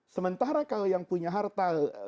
sementara kalau yang punya harta